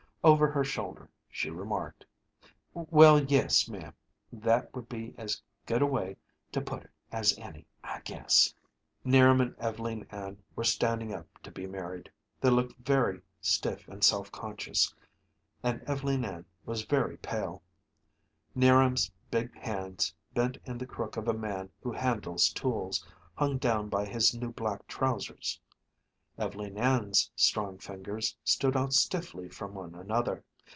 Over her shoulder she remarked, "Well, yes, ma'am; that would be as good a way to put it as any, I guess." 'Niram and Ev'leen Ann were standing up to be married. They looked very stiff and self conscious, and Ev'leen Ann was very pale. 'Niram's big hands, bent in the crook of a man who handles tools, hung down by his new black trousers. Ev'leen Ann's strong fingers stood out stiffly from one another.